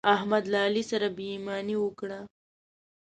احمد له علي سره بې ايماني وکړه.